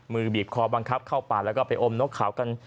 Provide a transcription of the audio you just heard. บีบคอบังคับเข้าป่าแล้วก็ไปอมนกขาวกัน